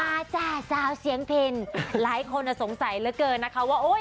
มาจ้ะสาวเสียงเพ็ญหลายคนอ่ะสงสัยเหลือเกินนะครับว่าโอ้ย